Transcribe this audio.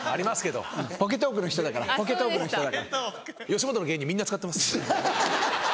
吉本の芸人みんな使ってます。